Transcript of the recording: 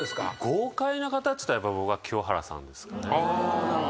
豪快な方っつったら僕は清原さんですかね。